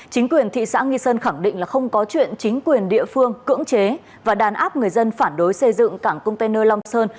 chính quyền thị xã nghi sơn khẳng định là không có chuyện chính quyền địa phương cưỡng chế và đàn áp người dân phản đối xây dựng cảng container long sơn